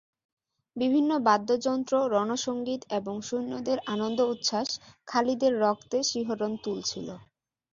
বিভিন্ন বাদ্য-যন্ত্র, রণ-সঙ্গীত এবং সৈন্যদের আনন্দ-উচ্ছ্বাস খালিদের রক্তে শিহরণ তুলছিল।